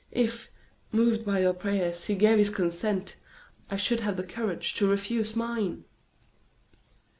If, moved by your prayers, he gave his consent, I should have the courage to refuse mine!"